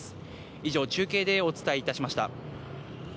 以上、中継でお伝えいたしました。